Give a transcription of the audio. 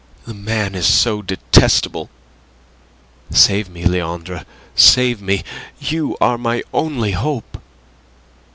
The man is so detestable. Save me, Leandre. Save me! You are my only hope."